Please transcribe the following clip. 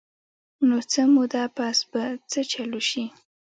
نو څۀ موده پس به څۀ چل اوشي -